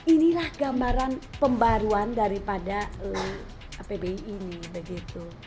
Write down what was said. inilah gambaran pembaruan daripada apbi ini begitu